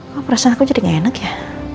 kok perasaan aku jadi gak enak ya